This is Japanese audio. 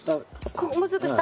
もうちょっと下。